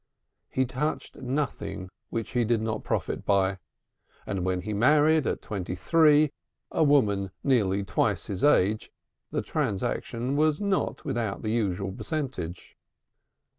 He touched nothing which he did not profit by; and when he married, at twenty three, a woman nearly twice his age, the transaction was not without the usual percentage.